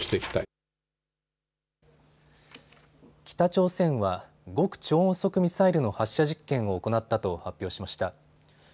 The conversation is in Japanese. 北朝鮮は極超音速ミサイルの発射実験を行ったと発表しました。